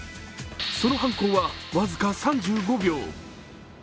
その犯行は僅か３５秒。